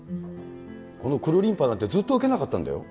このくるりんぱなんてずっと受けなかったんだよ。